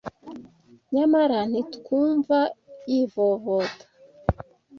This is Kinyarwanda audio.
nyamara ntitumwumva yivovota